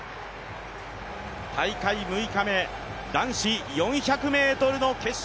大会６日目、男子４００ｍの決勝